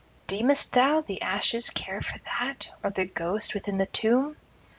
Deemest thou the ashes care for that, or the ghost within the tomb?